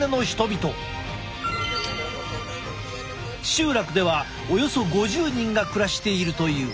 集落ではおよそ５０人が暮らしているという。